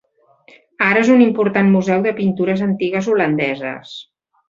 Ara és un important museu de pintures antigues holandeses.